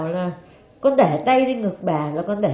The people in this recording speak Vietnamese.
là con liền không còn